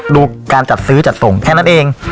ดูการจัดซื้อจัดส่งแค่นั้นเอง